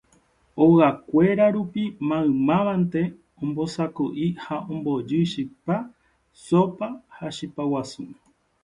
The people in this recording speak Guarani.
ogakuéra rupi maymávante ombosako'i ha ombojy chipa, sópa ha chipa guasu.